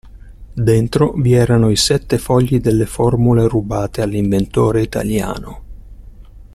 Dentro vi erano i sette fogli delle formule rubate all'inventore italiano.